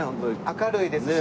明るいですし。